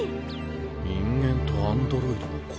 人間とアンドロイドが恋。